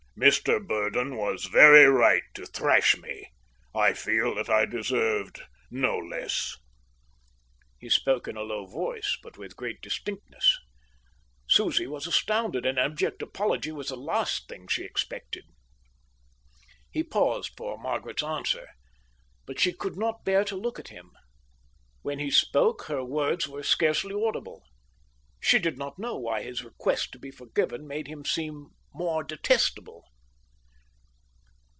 Mr Burdon was very right to thrash me. I feel that I deserved no less." He spoke in a low voice, but with great distinctness. Susie was astounded. An abject apology was the last thing she expected. He paused for Margaret's answer. But she could not bear to look at him. When she spoke, her words were scarcely audible. She did not know why his request to be forgiven made him seem more detestable.